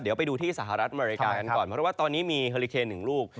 เดี๋ยวไปดูที่สหรัฐอเมริกากันก่อนเพราะว่าตอนนี้มีเฮอลิเคนหนึ่งลูก